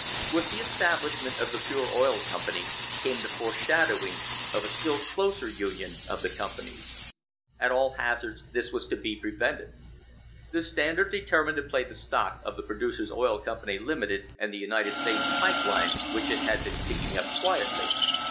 With the establishment of the Pure Oil Company came the foreshadowing of a still closer union of the companies. At all hazards this was to be pre [i77] THE HISTORY OF THE STANDARD OIL COMPANY vented. The Standard determined to play the stock of the Producers' Oil Company, Limited, and the United States Pipe Line, which it had been picking up quietly.